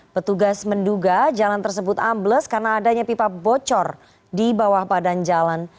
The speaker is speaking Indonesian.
petugas menduga jalan tersebut ambles karena adanya pipa bocor di bawah badan jalan